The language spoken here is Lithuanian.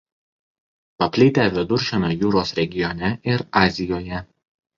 Paplitę Viduržemio jūros regione ir Azijoje.